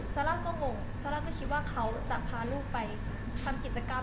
ซาร่าก็งงซาร่าก็คิดว่าเขาจะพาลูกไปทำกิจกรรม